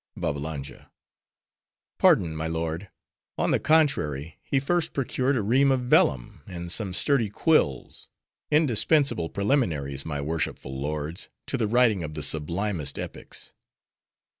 BABBALANJA—Pardon, my lord; on the contrary he first procured a ream of vellum, and some sturdy quills: indispensable preliminaries, my worshipful lords, to the writing of the sublimest epics.